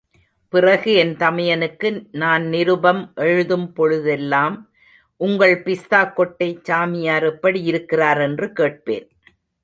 பிறகு என் தமயனுக்கு நான் நிருபம் எழுதும் பொழுதெல்லாம், உங்கள் பிஸ்தாக் கொட்டைச் சாமியார் எப்படியிருக்கிறார்? என்று கேட்பேன்.